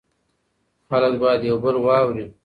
خلک باید یو بل واوري.